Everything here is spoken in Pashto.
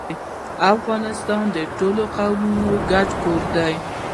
افغانستان د ټولو قومونو ګډ کور دی.